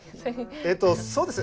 えっとそうです。